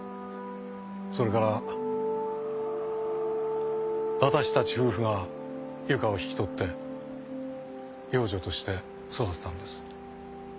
それから私たち夫婦が由香を引き取って養女として育てたんです。